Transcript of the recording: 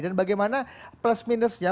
dan bagaimana plus minusnya